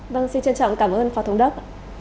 vâng xin trân trọng cảm ơn phó thống đốc